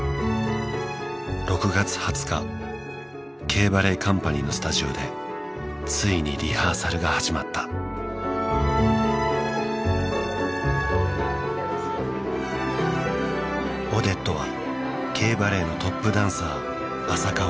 ６月２０日Ｋバレエカンパニーのスタジオでついにリハーサルが始まったオデットはＫバレエのトップダンサー浅川